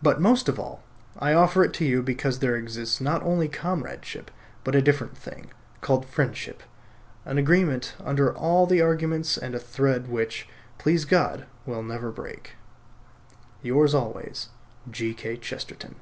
But most of all I offer it to you because there exists not only comradeship, but a very different thing, called friendship; an agreement under all the arguments and a thread which, please God, will never break. Yours always, G. K. Chesterton.